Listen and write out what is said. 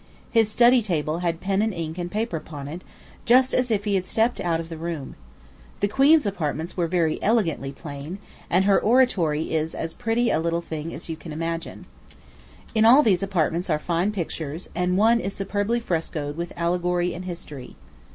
His study table had pen and ink and paper upon it, just as if he had stepped out of the room. The queen's apartments were very elegantly plain, and her oratory is as pretty a little thing as you can imagine. In all these apartments are fine pictures, and one is superbly frescoed with allegory and history.